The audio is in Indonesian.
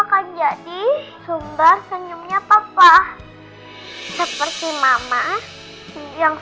kamu benar benar mirip sekali andin sayang